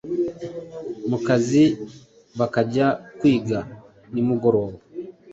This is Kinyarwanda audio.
mu kazi bakajya kwiga nimugoroba.